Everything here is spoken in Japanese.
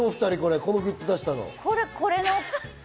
このグッズ出したの？